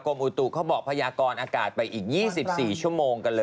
อุตุเขาบอกพยากรอากาศไปอีก๒๔ชั่วโมงกันเลย